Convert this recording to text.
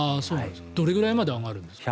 どれぐらいまで上がるんですか？